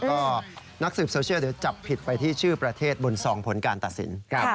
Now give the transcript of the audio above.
ก็นักสืบโซเชียลเดี๋ยวจับผิดไปที่ชื่อประเทศบุญซองผลการตัดสิน